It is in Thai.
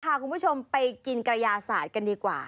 พาคุณผู้ชมไปกินกระยาศาสตร์กันดีกว่า